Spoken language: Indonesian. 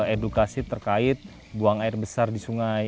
edukasi terkait buang air besar di sungai